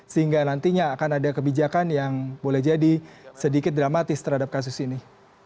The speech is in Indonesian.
sehingga nantinya akan ada kebijakan yang boleh jadi sedikit dramatis terhadap kasus ini